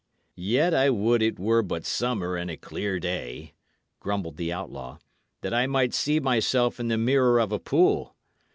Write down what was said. "Yet I would it were but summer and a clear day," grumbled the outlaw, "that I might see myself in the mirror of a pool.